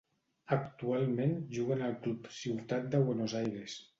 Actualment juga en el Club Ciutat de Buenos Aires.